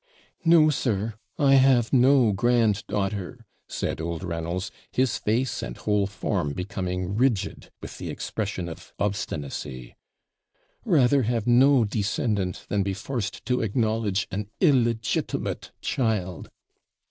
'No, sir; I have no grand daughter,' said old Reynolds, his face and whole form becoming rigid with the expression of obstinacy. 'Rather have no descendant than be forced to acknowledge an illegitimate child.'